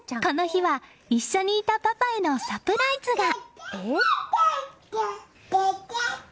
この日は、一緒にいたパパへのサプライズが。